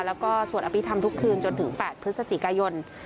แล้วก็สวดอภิษฐรรมทุกคืนจนถึง๘พฤศจิกายน